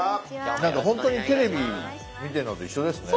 ほんとにテレビ見てんのと一緒ですね。